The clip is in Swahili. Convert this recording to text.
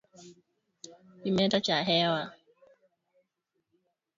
Kimeta cha hewa